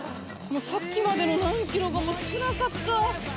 さっきまでの何ｋｍがもうつらかった！